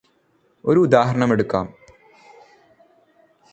ഒരു ഉദാഹരണമെടുക്കാം.